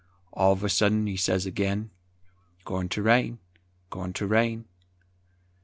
All uv a suddin he sez again, "Goin' ter rain, goin' ter rain!"